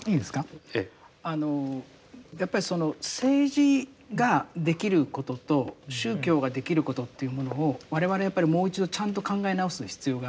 やっぱりその政治ができることと宗教ができることというものを我々やっぱりもう一度ちゃんと考え直す必要があるんだと思うんですよね。